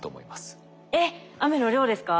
えっ雨の量ですか？